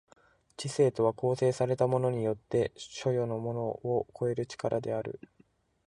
知性とは構成されたものによって所与のものを超える力である。